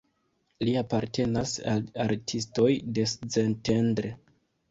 Li apartenas al artistoj de Szentendre.